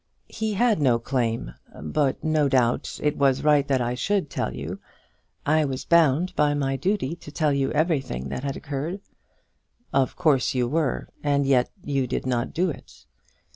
"He had no claim; but no doubt it was right that I should tell you. I was bound by my duty to tell you everything that had occurred." "Of course you were and yet you did not do it."